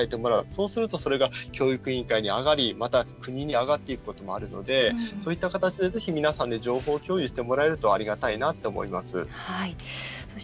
そうするとそれが教育委員会に上がりまた、国に上がっていくこともあるのでそういった形で、ぜひ皆さんで情報共有していただけるとありがたいなって思います。